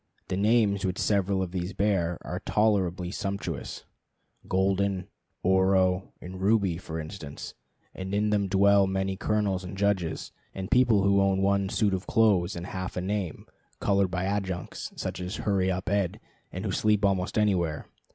The names which several of these bear are tolerably sumptuous: Golden, Oro, and Ruby, for instance; and in them dwell many colonels and judges, and people who own one suit of clothes and half a name (colored by adjuncts, such as Hurry Up Ed), and who sleep almost anywhere.